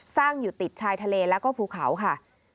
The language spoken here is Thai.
สร้างอยู่ติดชายทะเลแล้วก็ภูเขาค่ะ